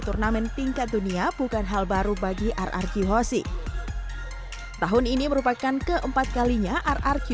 turnamen tingkat dunia bukan hal baru bagi rrq hossing tahun ini merupakan keempat kalinya rrq